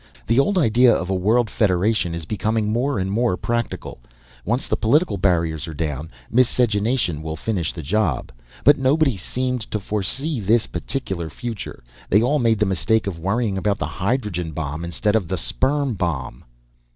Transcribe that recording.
The old idea of a World Federation is becoming more and more practical. Once the political barriers are down, miscegenation will finish the job. But nobody seemed to foresee this particular future. They all made the mistake of worrying about the hydrogen bomb instead of the sperm bomb."